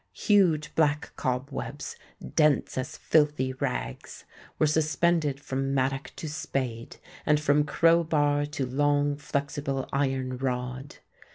Huge black cob webs, dense as filthy rags, were suspended from mattock to spade, and from crow bar to long flexible iron rod.